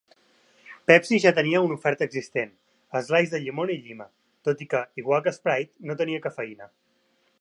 Pepsi ja tenia una oferta existent, Slice de llimona i llima, tot i que, igual que Sprite, no tenia cafeïna.